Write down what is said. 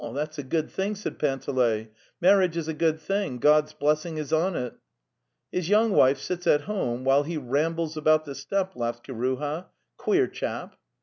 "That's a good thing," said Panteley. " Mar riage is a good thing. ... God's blessing is on it." 'His young wife sits at home while he rambles about the steppe," laughed Kiruha. " Queer chap!"